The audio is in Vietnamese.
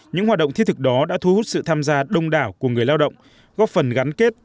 những hoạt động thiết thực đó đã thu hút sự tham gia đông đảo của người lao động góp phần gắn kết